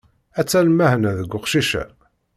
Atta lmeḥna deg uqcic-a!